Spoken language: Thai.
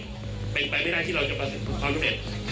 เป็นไปไม่ได้ที่เราจะประสิทธิ์ทุกความรู้เร็จ